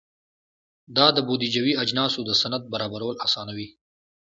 دا د بودیجوي اجناسو د سند برابرول اسانوي.